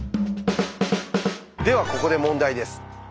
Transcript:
ではここで問題です。